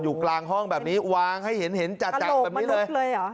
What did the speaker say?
อยู่กลางห้องแบบนี้วางให้เห็นจากแบบนี้เลย